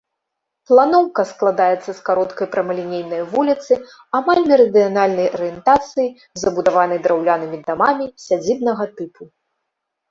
Планоўка складаецца з кароткай прамалінейнай вуліцы амаль мерыдыянальнай арыентацыі, забудаванай драўлянымі дамамі сядзібнага тыпу.